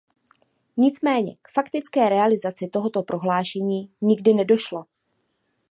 Nicméně k faktické realizaci tohoto prohlášení nikdy nedošlo.